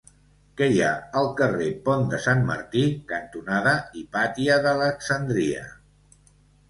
Què hi ha al carrer Pont de Sant Martí cantonada Hipàtia d'Alexandria?